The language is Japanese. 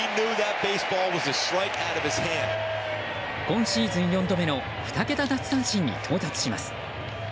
今シーズン４度目の２桁奪三振に到達します。